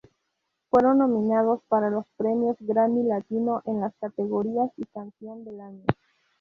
Fueron nominados para los Premio Grammy Latino en las categorías y canción del año.